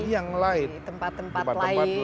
di tempat tempat lain